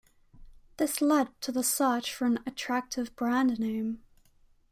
This led to the search for an attractive brand name.